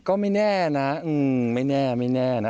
ก็ไม่แน่นะอืมไม่แน่นะ